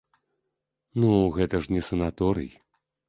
Ну, гэта ж не санаторый.